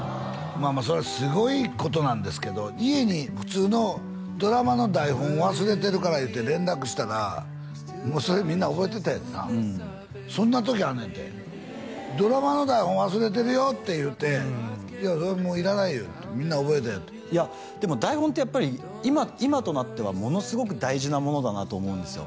まあまあそれはすごいことなんですけど家に普通のドラマの台本忘れてるからいうて連絡したらそれみんな覚えてたんやてなうんそんな時あんねんて「ドラマの台本忘れてるよ」って言うて「いやそれもういらないよみんな覚えたよ」っていやでも台本ってやっぱり今となってはものすごく大事なものだなと思うんですよ